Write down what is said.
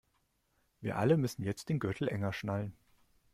Wir alle müssen jetzt den Gürtel enger schnallen.